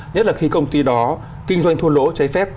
nhất là khi công ty đó kinh doanh thua lỗ cháy phép